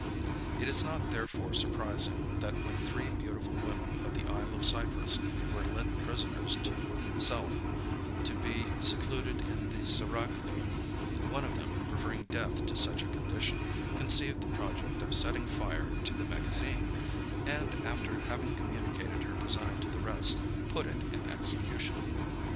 It is not therefore surprising, that when three beautiful women of the isle of Cyprus were led prisoners to Selim, to be secluded in the seraglio, one of them, preferring death to such a condition, conceived the project of setting fire to the magazine; and after having communicated her design to the rest, put it in execution.